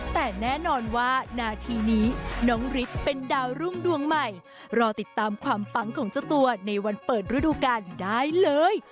แต่แน่นอนว่านาทีนี้น้องฤทธิ์เป็นดาวรุ่งดวงใหม่รอติดตามความปังของเจ้าตัวในวันเปิดฤดูกาลได้เลย